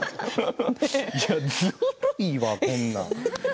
ずるいわ、こんな。